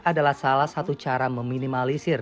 adalah salah satu cara meminimalisir